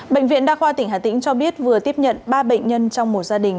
bệnh viện đa khoa tỉnh hà tĩnh cho biết vừa tiếp nhận ba bệnh nhân trong một gia đình